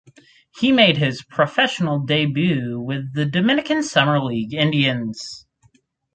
He made his professional debut with the Dominican Summer League Indians.